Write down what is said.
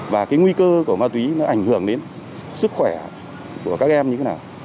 và cái nguy cơ của ma túy nó ảnh hưởng đến sức khỏe của các em như thế nào